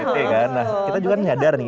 bete nah kita juga menyadar nih